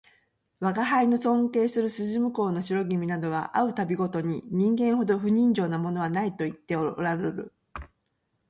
吾輩の尊敬する筋向こうの白君などは会う度毎に人間ほど不人情なものはないと言っておらるる